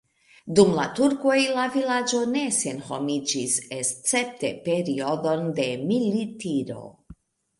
Dum la turkoj la vilaĝo ne senhomiĝis, escepte periodon de militiro.